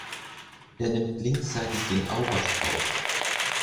Er nimmt linksseitig den Aubach auf.